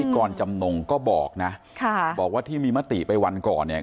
กรจำนงก็บอกนะบอกว่าที่มีมติไปวันก่อนเนี่ย